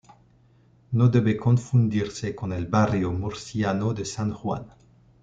No debe confundirse con el barrio murciano de San Juan.